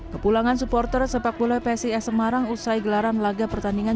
kepulangan supporter sepak bola psis semarang usai gelaran laga pertandingan